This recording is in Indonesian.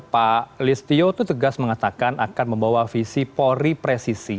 pak listio itu tegas mengatakan akan membawa visi polri presisi